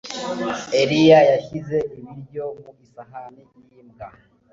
Eliya yashyize ibiryo mu isahani yimbwa.